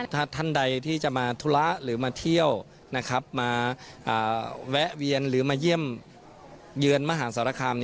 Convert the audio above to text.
ถ้าท่านใดที่จะมาธุระหรือมาเที่ยวมาแวะเวียนหรือมาเยี่ยมเยือนมหาสารคาม